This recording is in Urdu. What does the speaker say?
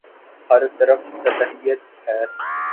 ہر طرف سطحیت ہے۔